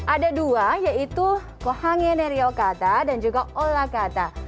ada dua yaitu gohangye neryo kata dan juga olak kata